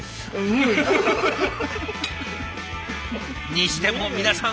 にしても皆さん